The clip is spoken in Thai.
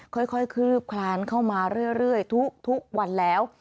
คืบคลานเข้ามาเรื่อยทุกวันแล้ว